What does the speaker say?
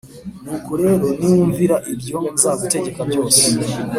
Nuko rero niwumvira ibyo nzagutegeka byose